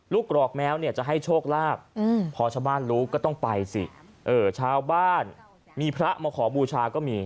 กรอกแมวเนี่ยจะให้โชคลาภพอชาวบ้านรู้ก็ต้องไปสิชาวบ้านมีพระมาขอบูชาก็มี